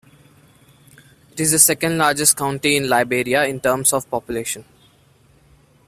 It is the second largest county in Liberia in terms of population.